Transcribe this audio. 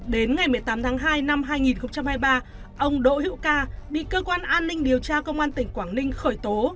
đến ngày một mươi tám tháng hai năm hai nghìn hai mươi ba ông đỗ hữu ca bị cơ quan an ninh điều tra công an tỉnh quảng ninh khởi tố